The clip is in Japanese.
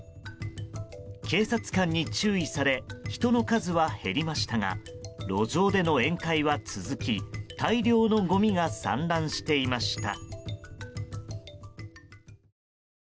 警察官に注意され人の数は減りましたが路上での宴会は続き大量のごみが散乱していました。